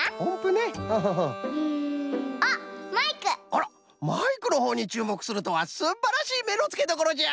あらマイクのほうにちゅうもくするとはすんばらしいめのつけどころじゃ！